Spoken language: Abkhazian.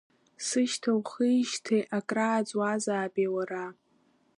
Сышьҭа ухижьҭеи акрааҵуазаапеи уара?